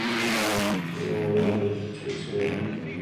ويې ويل چوچيه.